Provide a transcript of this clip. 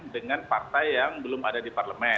dengan partai yang belum ada di parlemen